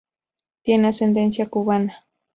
Tiene ascendencia cubana.